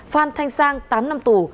phan thanh sang tám năm tù